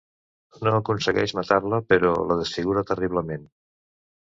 No aconsegueix matar-la però la desfigura terriblement.